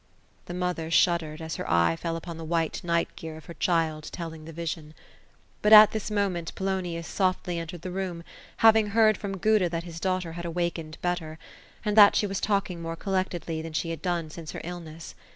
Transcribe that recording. The mother shuddered, as her eye fell upon the white night gear of her child, telling the vision. But, at this moment, Polonius softly en tered the room, having heard from Guda, that his daughter had awaken ed, better ; and that she was talking more collectedly, than she had done since her illness.